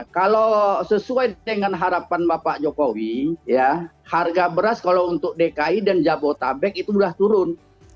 kalau sesuai dengan harapan bapak jokowi ya harga beras kalau untuk dki dan jabodetabek itu sudah turun